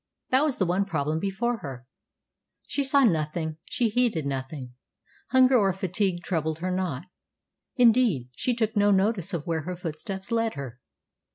That was the one problem before her. She saw nothing; she heeded nothing. Hunger or fatigue troubled her not. Indeed, she took no notice of where her footsteps led her.